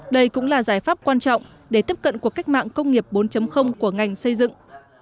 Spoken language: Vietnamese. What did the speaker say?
đây cũng là giải pháp quan trọng để tiếp cận cuộc cách mạng công nghiệp bốn của ngành xây dựng